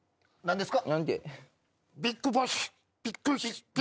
何ですか？